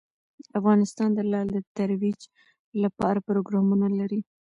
افغانستان د لعل د ترویج لپاره پروګرامونه لري.